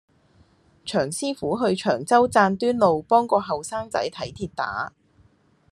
黃師傅去長洲贊端路幫個後生仔睇跌打